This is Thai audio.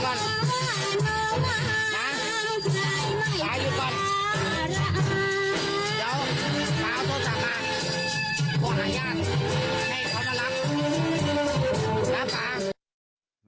พ่อหาย่างให้เขามารับ